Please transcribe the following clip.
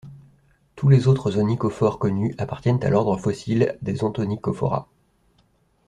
Tous les autres onychophores connus appartiennent à l’ordre fossile des Ontonychophora.